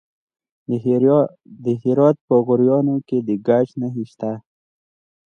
د هرات په غوریان کې د ګچ نښې شته.